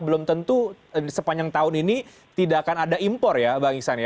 belum tentu sepanjang tahun ini tidak akan ada impor ya bang iksan ya